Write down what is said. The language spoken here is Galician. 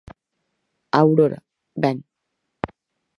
Aurora: Ben.